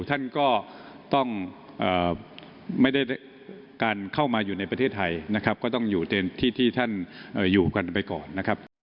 ท่านก็ต้องไม่ได้การเข้ามาอยู่ในประเทศไทยนะครับก็ต้องอยู่ในที่ที่ท่านอยู่กันไปก่อนนะครับ